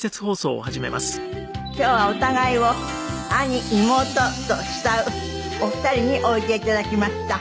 今日はお互いを兄妹と慕うお二人においでいただきました。